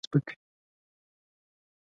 بوټونه کله سپک وي.